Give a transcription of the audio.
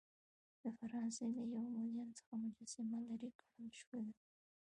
د فرانسې له یو موزیم څخه مجسمه لیرې کړل شوه.